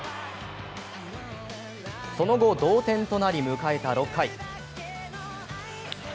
その後、同点となり、迎えた６回。